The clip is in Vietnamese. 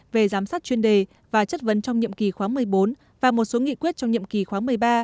về giám sát chuyên đề và chất vấn trong nhiệm kỳ khóa một mươi bốn và một số nghị quyết trong nhiệm kỳ khóa một mươi ba